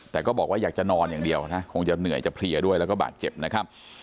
แต่ก็บอกว่าอยากจะนอนอย่างเดียวนะคงจะเหนื่อยจะเพลียด้วยแล้วก็บาดเจ็บนะครับ